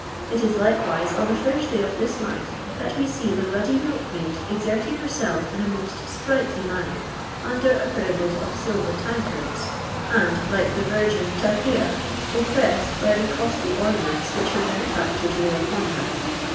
It is likewise on the first day of this month that we see the mddy milkmaid exerting herself in a most iprigfatlr manner under a pyramid of silver tankards, and, like the Virgin Tarpt»ia, oppreftsed by the costly ornaments which her benefactors lay upon her.